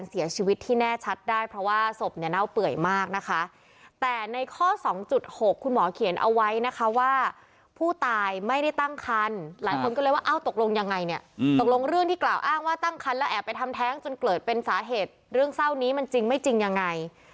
และแอบไปทำแท้งจนเกิดเป็นสาเหตุเรื่องเศร้านี้มันจริงไม่จริงอย่างไร